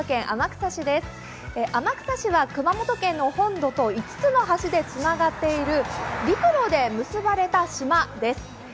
天草市は熊本県の本土と５つの橋でつながっている陸路で結ばれた島です。